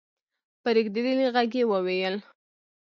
په رېږدېدلې غږ يې وويل: